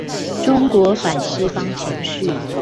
中國反西方情緒